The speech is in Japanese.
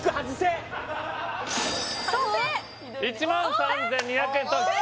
１万３２００円とえっ？